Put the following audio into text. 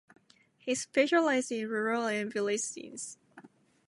He specialized in rural and village scenes.